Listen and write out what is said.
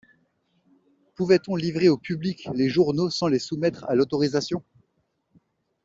Pouvait-on livrer au public les journaux sans les soumettre à l'autorisation?